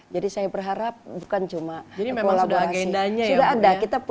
jadi saya berharap bukan cuma pola bahasi